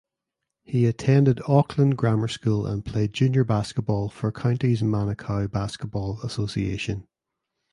He attended Auckland Grammar School and played junior basketball for Counties Manukau Basketball Association.